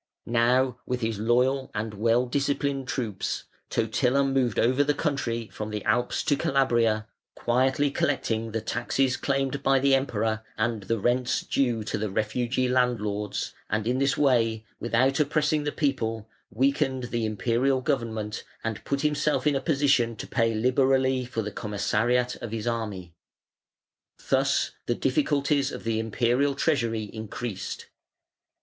Now with his loyal and well disciplined troops, Totila moved over the country from the Alps to Calabria, quietly collecting the taxes claimed by the Emperor and the rents due to the refugee landlords, and in this way, without oppressing the people, weakened the Imperial government and put himself in a position to pay liberally for the commissariat of his army. Thus the difficulties of the Imperial treasury increased.